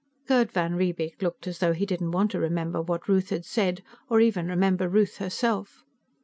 Gerd van Riebeek looked as though he didn't want to remember what Ruth had said, or even remember Ruth herself.